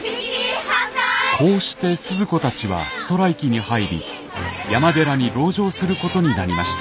こうしてスズ子たちはストライキに入り山寺に籠城することになりました。